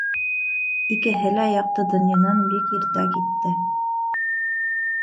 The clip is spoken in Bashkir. Икеһе лә яҡты донъянан бик иртә китте.